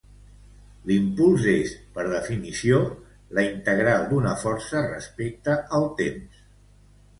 L'impuls és, per definició, la integral d'una força respecte al temps.